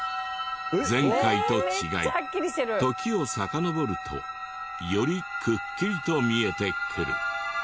前回と違い時をさかのぼるとよりくっきりと見えてくる。